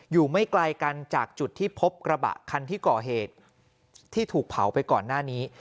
อยู่ไม่ไกลกันจากจุดที่พบกระบะคันที่ก่อเหตุที่ถูกเผาไปก่อนหน้านี้